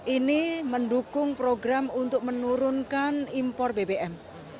ini mendukung program untuk menurunkan impor bbm